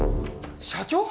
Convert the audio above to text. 社長？